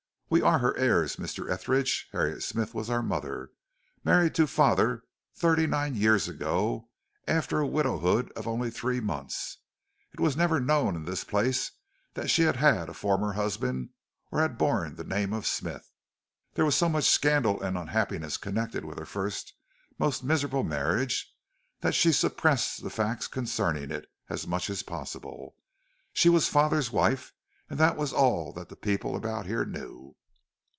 We are her heirs, Mr. Etheridge; Harriet Smith was our mother, married to father thirty nine years ago after a widowhood of only three months. It was never known in this place that she had had a former husband or had borne the name of Smith. There was so much scandal and unhappiness connected with her first most miserable marriage, that she suppressed the facts concerning it as much as possible. She was father's wife and that was all that the people about here knew."